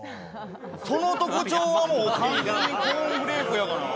その特徴はもう完全にコーンフレークやがな。